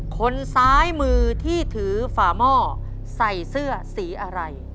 คนซ้ายมือที่ถือฝาหม้อใส่เสื้อสีอะไร